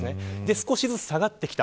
少しずつ下がってきた。